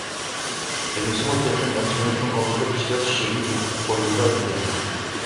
دېمىسىمۇ، تېخى نەچچە مىنۇتنىڭ ئالدىدا كىشىلەر شېرىن ئۇيقۇ قوينىدا ئىدى.